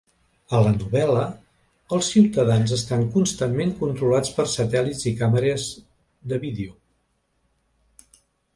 A la novel·la, els ciutadans estan constantment controlats per satèl·lits i càmeres de vídeo.